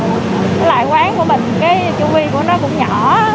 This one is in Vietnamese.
cái loại quán của mình cái chu vi của nó cũng nhỏ